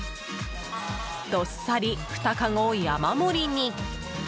どっさり２かご山盛りに。